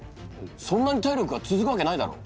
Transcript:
そんなに体力が続くわけないだろう。